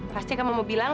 pasti kamu mau bilang